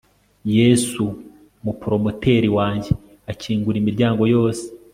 yesu umu promoteri wanjye, akingura imiryango yose